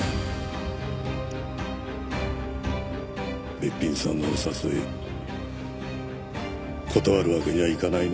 べっぴんさんのお誘い断るわけにはいかないな。